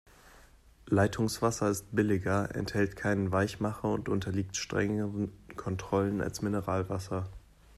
Leitungswasser ist billiger, enthält keinen Weichmacher und unterliegt strengeren Kontrollen als Mineralwasser.